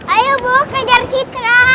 ayo bu kejar citra